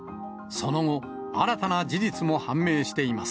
その後、新たな事実も判明しています。